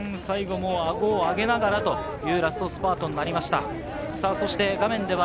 あごを上げながらのラストスパートになりました。